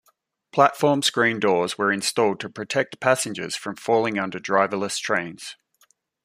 Platform screen doors were installed to protect passengers from falling under driverless trains.